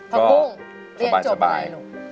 พักปุ้งเรียนจบอะไรลูก